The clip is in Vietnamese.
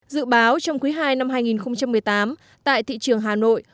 dự báo trong quý ii năm hai nghìn một mươi tám tại thị trường hà nội